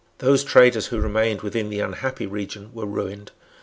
Those traders who remained within the unhappy region were ruined.